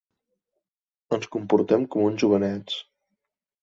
Ens comportem com uns jovenets.